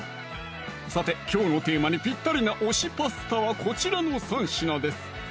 さてきょうのテーマにぴったりな推しパスタはこちらの３品です